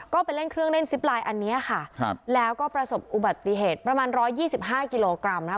ก็ไปเล่นเครื่องเล่นซิปไลน์อันนี้ค่ะครับแล้วก็ประสบอุบัติเหตุประมาณ๑๒๕กิโลกรัมนะคะ